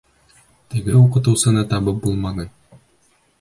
Теге уҡытыусыны табып булманы.